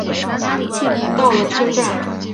到了车站